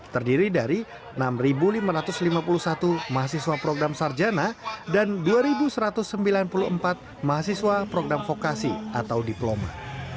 terdiri dari enam lima ratus lima puluh satu mahasiswa program sarjana dan dua satu ratus sembilan puluh empat mahasiswa program vokasi atau diploma